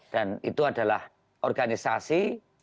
dan itu adalah organisasi